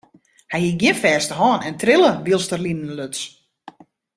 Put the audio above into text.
Hy hie gjin fêste hân en trille wylst er linen luts.